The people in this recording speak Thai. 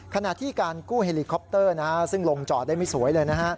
ขณะที่การกู้เฮลิคอปเตอร์ซึ่งลงจอดได้ไม่สวยเลยนะฮะ